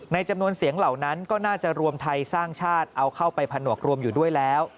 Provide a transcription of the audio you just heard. จำนวนเสียงเหล่านั้นก็น่าจะรวมไทยสร้างชาติเอาเข้าไปผนวกรวมอยู่ด้วยแล้ว